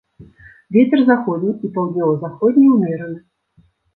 Вецер заходні і паўднёва-заходні ўмераны.